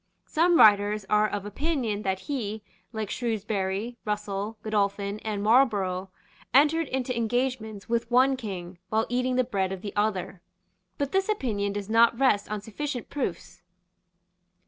Some writers are of opinion that he, like Shrewsbury, Russell, Godolphin and Marlborough, entered into engagements with one king while eating the bread of the other. But this opinion does not rest on sufficient proofs.